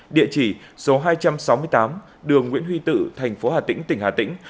địa chỉ số hai trăm sáu mươi tám đường nguyễn huy tự tp hà tĩnh tỉnh hà tĩnh